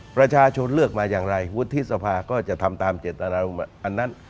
ประชาชนเลือกมาอย่างไรวุฒิสภาก็จะทำตามเจตนารมณ์อันนั้น